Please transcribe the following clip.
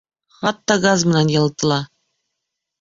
Хатта газ менән йылытыла.